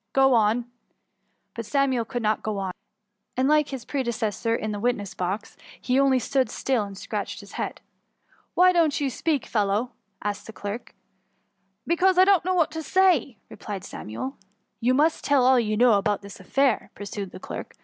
Gro on." But Samuel could not go mi ; and, like his predecessor in the witnesa box, he only stood still and scratched his head. " Why don't you speak, fellow ?^ asked the clerk. <* Because I doesn't know what to say,'' re^^ plied Samuel. ^* You must tell all you know about this affair," pursued the clerk.